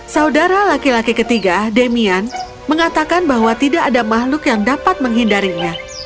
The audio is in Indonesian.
saudara laki laki ketiga demian mengatakan bahwa tidak ada makhluk yang dapat menghindarinya